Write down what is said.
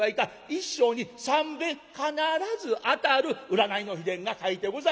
『一生に３べん必ず当たる占いの秘伝が書いてございました』。